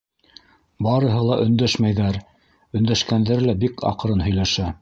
Барыһы ла өндәшмәйҙәр, өндәшкәндәре лә бик аҡрын һөйләшә.